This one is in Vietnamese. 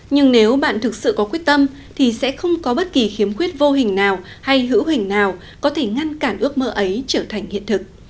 nhưng nếu bạn thực sự có quyết tâm thì sẽ không có bất kỳ khiếm khuyết vô hình nào hay hữu hình nào có thể ngăn cản ước mơ ấy trở thành hiện thực